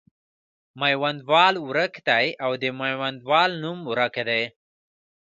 میوندوال ورک دی او د میوندوال نوم ورک دی.